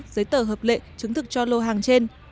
giấy tờ hợp lệ chứng thực cho lô hàng trên